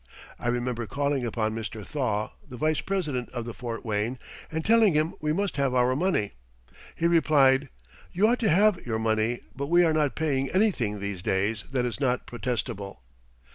I remember calling upon Mr. Thaw, the vice president of the Fort Wayne, and telling him we must have our money. He replied: "You ought to have your money, but we are not paying anything these days that is not protestable."